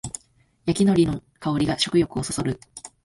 焼きのりの香りが食欲をそそる